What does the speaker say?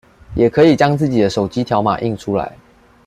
也可以將自己的手機條碼印出來